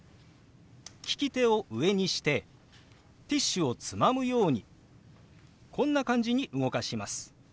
利き手を上にしてティッシュをつまむようにこんな感じに動かします。